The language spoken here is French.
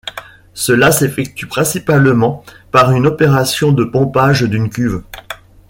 Cela s'effectue principalement par une opération de pompage d'une cuve.